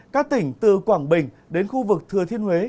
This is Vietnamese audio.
các tỉnh từ quảng bình đến khu vực thừa thiên huế